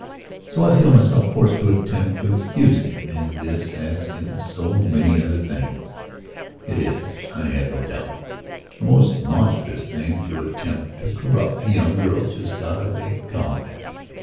So I feel myself forced to attempt to excuse him in this as in so many other things. It is, I have no doubt, a most monstrous thing to attempt to corrupt a young girl just out of a convent.